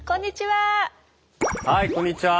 はいこんにちは。